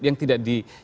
yang tidak di